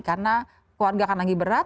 karena keluarga kan lagi berat